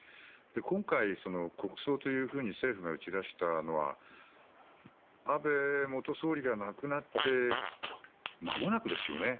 今回、国葬というふうに政府が打ち出したのは安倍元総理が亡くなってまもなくですよね。